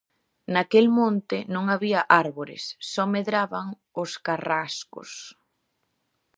Naquel monte non había árbores, só medraban os carrascos.